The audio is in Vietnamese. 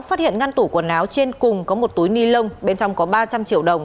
phát hiện ngăn tủ quần áo trên cùng có một túi ni lông bên trong có ba trăm linh triệu đồng